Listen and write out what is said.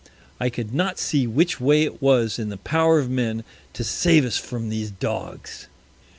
I could not see which way it was in the Power of Men to save us from these Dogs.